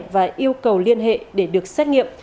và yêu cầu liên hệ để được xét nghiệm